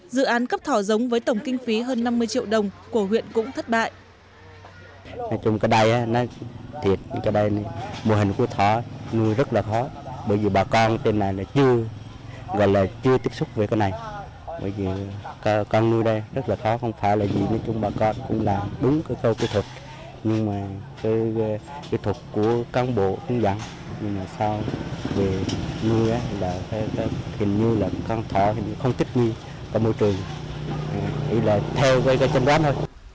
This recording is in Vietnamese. dự án cấp thỏ giống với tổng kinh phí hơn năm mươi triệu đồng của huyện cũng thất bại